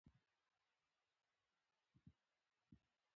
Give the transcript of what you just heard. پېغلې غازیانو ته څه رسول؟